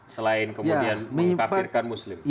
selain kemudian mengkafirkan muslim